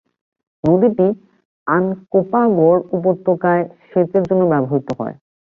নদীটি আনকোপাহগর উপত্যকায় সেচের জন্য ব্যবহৃত হয়।